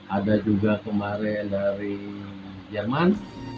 ada juga kemarin dari jerman